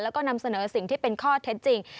แล้วก็นำเสนอสิ่งที่เป็นข้อเท็จจริง